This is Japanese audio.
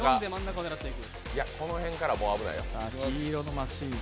この辺からもう危ないよ。